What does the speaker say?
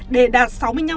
để đạt sáu mươi năm